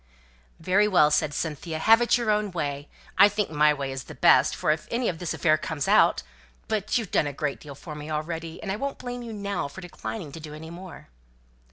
"Very well," said Cynthia, "have it your own way. I think my way is the best: for if any of this affair comes out But you've done a great deal for me already, and I won't blame you now for declining to do any more!"